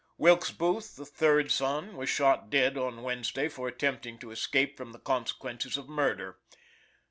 Wilkes Booth, the third son, was shot dead on Wednesday for attempting to escape from the consequences of murder.